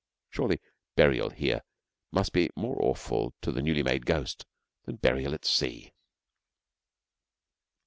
Surely burial here must be more awful to the newly made ghost than burial at sea.